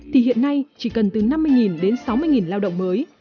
thì hiện nay chỉ cần từ năm mươi đến sáu mươi lao động mới